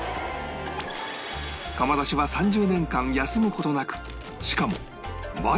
窯出しは３０年間休む事なくしかも毎回完売